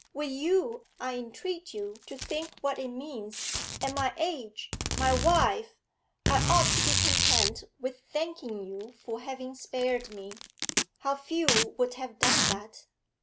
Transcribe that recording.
Will you I entreat you to think what it means at my age my wife I ought to be content with thanking you for having spared me how few would have done that!